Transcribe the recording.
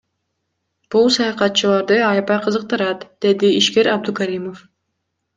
Бул саякатчыларды аябай кызыктырат, — деди ишкер Абдукаримов.